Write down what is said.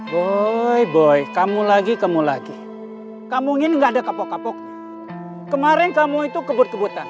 boy boy kamu lagi kamu lagi kamu ingin nggak ada kapok kapoknya kemarin kamu itu kebut kebutan